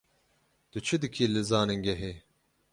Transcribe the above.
Tu çi dikî li zanîngehê?